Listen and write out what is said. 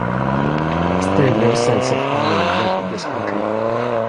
Is there no sense of honor left in this country?